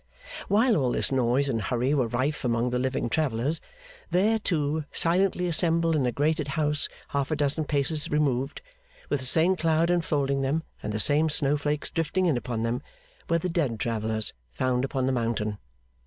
While all this noise and hurry were rife among the living travellers, there, too, silently assembled in a grated house half a dozen paces removed, with the same cloud enfolding them and the same snow flakes drifting in upon them, were the dead travellers found upon the mountain.